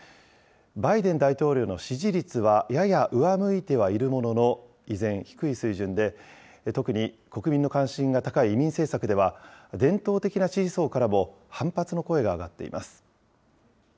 バイデン大統領の支持率はやや上向いてはいるものの、依然低い水準で、特に国民の関心が高い移民政策では、伝統的な支持層からも、反発の声が上がっています。